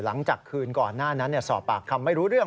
หลังจากคืนก่อนหน้านั้นสอบปากคำไม่รู้เรื่อง